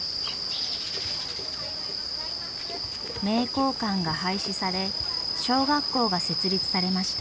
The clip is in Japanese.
名教館が廃止され小学校が設立されました。